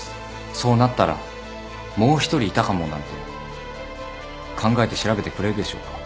そうなったらもう１人いたかもなんて考えて調べてくれるでしょうか。